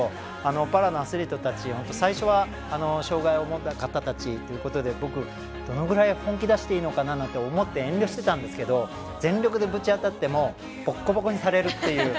パラのアスリートたち最初は障がいを持った方たちで僕、どのぐらい本気出していいのかなと思って遠慮していたんですけど全力でぶち当たってもぼこぼこにされるという。